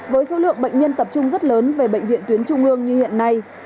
với số lượng bệnh nhân tập trung rất lớn về bệnh viện tuyến trung ương như hiện nay